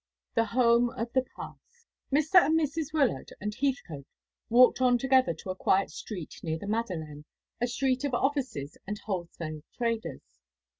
THE HOME OF THE PAST. Mr. and Mrs. Wyllard and Heathcote walked on together to a quiet street near the Madeleine, a street of offices and wholesale traders.